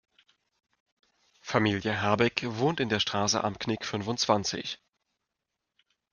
Familie Habeck wohnt in der Straße Am Knick fünfundzwanzig.